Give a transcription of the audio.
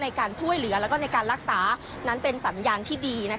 ในการช่วยเหลือและในการรักษานั้นเป็นสัญญาณที่ดี